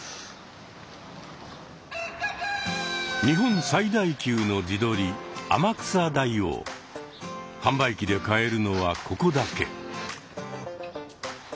日本最大級の地鶏販売機で買えるのはここだけ。